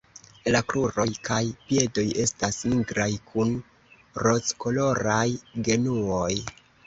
La kruroj kaj piedoj estas nigraj kun rozkoloraj genuoj.